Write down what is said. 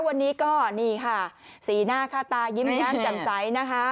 วันนี้ก็นี่ค่ะสีหน้าค่าตายิ้มแย้มแจ่มใสนะคะ